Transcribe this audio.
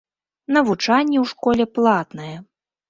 Навучанне ў школе платнае.